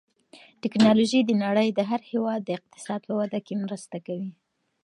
تکنالوژي د نړۍ د هر هېواد د اقتصاد په وده کې مرسته کوي.